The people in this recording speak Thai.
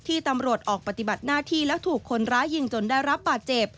ตำรวจออกปฏิบัติหน้าที่แล้วถูกคนร้ายยิงจนได้รับบาดเจ็บ